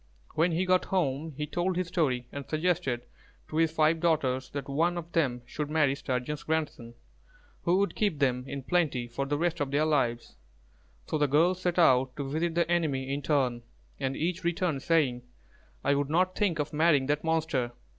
When he got home, he told his story, and suggested to his five daughters that one of them should marry Sturgeon's grandson, who would keep them in plenty for the rest of their lives. So the girls set out to visit the enemy in turn, and each returned saying, "I would not think of marrying that monster.